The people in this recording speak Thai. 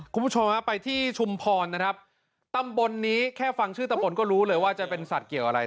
คุณผู้ชมฮะไปที่ชุมพรนะครับตำบลนี้แค่ฟังชื่อตำบลก็รู้เลยว่าจะเป็นสัตว์เกี่ยวอะไร